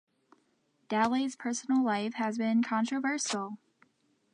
Dalle's personal life has been controversial.